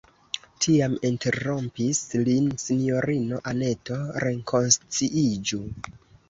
Tiam interrompis lin sinjorino Anneto: rekonsciiĝu!